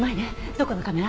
どこのカメラ？